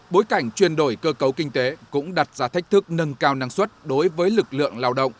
bối cảnh chuyên đổi cơ cấu kinh tế cũng đặt ra thách thức nâng cao năng suất đối với lực lượng lao động